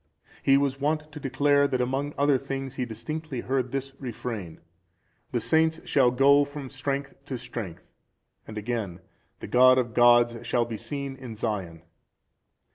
He was wont to declare, that among other things he distinctly heard this refrain: "The saints shall go from strength to strength."(384) And again, "The God of gods shall be seen in Sion."